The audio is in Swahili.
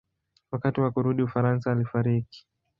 Wakati wa kurudi Ufaransa alifariki.